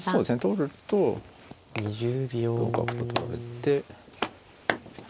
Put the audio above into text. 取ると同角と取られて。